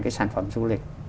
cái sản phẩm du lịch